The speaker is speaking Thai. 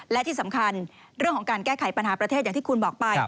และที่สำคัญเรื่องของการแก้ไขปัญหาประเทศอย่างที่คุณบอกไป